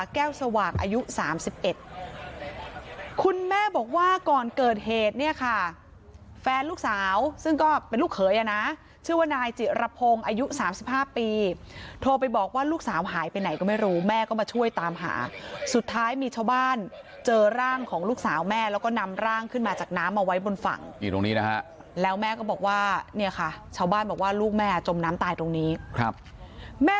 แก้วสว่างอายุ๓๑คุณแม่บอกว่าก่อนเกิดเหตุเนี่ยค่ะแฟนลูกสาวซึ่งก็เป็นลูกเขยอ่ะนะชื่อว่านายจิระพงศ์อายุ๓๕ปีโทรไปบอกว่าลูกสาวหายไปไหนก็ไม่รู้แม่ก็มาช่วยตามหาสุดท้ายมีชาวบ้านเจอร่างของลูกสาวแม่แล้วก็นำร่างขึ้นมาจากน้ำเอาไว้บนฝั่งอยู่ตรงนี้นะฮะแล้วแม่ก็บอกว่าเนี่ยค่ะชาวบ้านบอกว่าลูกแม่จมน้ำตายตรงนี้ครับแม่